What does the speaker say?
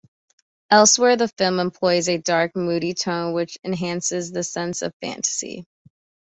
Elsewhere, the film employs a dark, moody tone which enhances the sense of fantasy.